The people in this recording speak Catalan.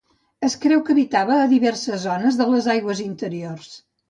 Es creu que habitava a diverses zones de les aigües interiors.